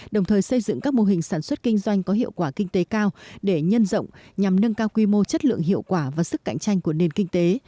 đồng thời xây dựng các mô hình sản xuất kinh doanh có hiệu quả kinh tế cao để nhân rộng nhằm nâng cao quy mô chất lượng hiệu quả và sức cạnh tranh của nền kinh tế